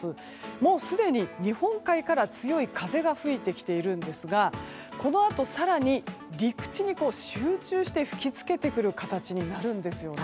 もうすでに日本海から強い風が吹いてきているんですがこのあと更に、陸地に集中して吹き付けてくる形になるんです。